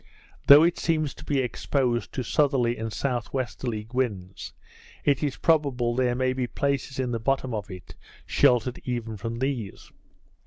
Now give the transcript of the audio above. Though it seems to be exposed to southerly and S.W. winds, it is probable there may be places in the bottom of it sheltered even from these.